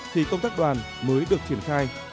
thì công tác đoàn mới được triển khai